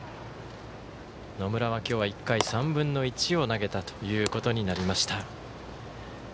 野村は、今日１回３分の１を投げたということになりました。